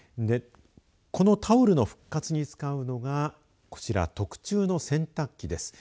このタオルの復活に使うのがこちら特注の洗濯機です。